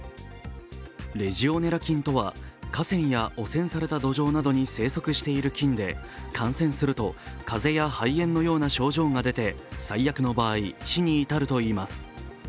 レジオネラ菌とは、河川や汚染された土壌などに生息している菌で感染すると風邪や肺炎のような症状が出て最悪の場合、死に至るといいます。